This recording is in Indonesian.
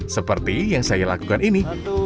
seperti yang saya lakukan ini